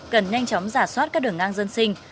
cần nhanh chóng giả soát các đường ngang dân sinh